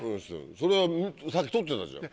それはさっき撮ってたじゃん。